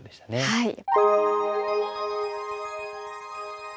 はい。